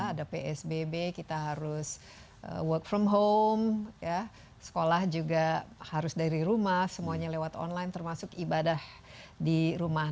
ada psbb kita harus work from home sekolah juga harus dari rumah semuanya lewat online termasuk ibadah di rumah